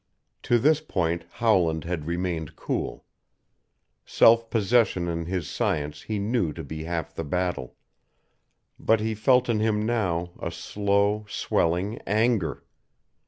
To this point Howland had remained cool. Self possession in his science he knew to be half the battle. But he felt in him now a slow, swelling anger.